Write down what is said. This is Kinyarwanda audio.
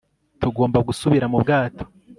tugomba gusubira mu bwato